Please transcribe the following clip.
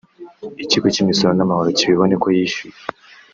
Ikigo cy’Imisoro n’Amahoro kibibone ko yishyuye